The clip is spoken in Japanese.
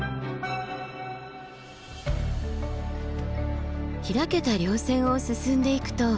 開けた稜線を進んでいくと。